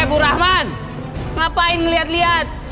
hei bu rahman ngapain ngeliat liat